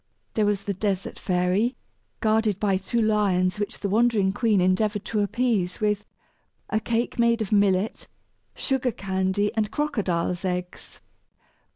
There was the Desert Fairy, guarded by two lions which the wandering queen endeavored to appease with "a cake made of millet, sugar candy, and crocodile's eggs."